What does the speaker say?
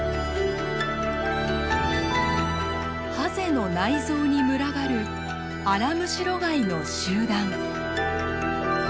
ハゼの内臓に群がるアラムシロガイの集団。